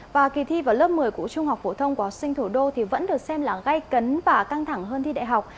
và kỳ thi vào lớp một mươi của trung học phổ thông của học sinh thủ đô thì vẫn được xem là gây cấn và căng thẳng hơn thi đại học